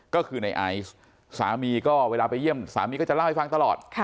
ก็คือในไอซ์สามีก็เวลาไปเยี่ยมสามีก็จะเล่าให้ฟังตลอด